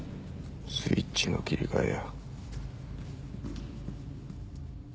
スイッチの切り替えや。